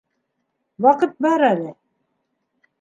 - Ваҡыт бар әле.